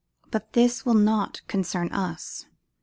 "But this will not concern us."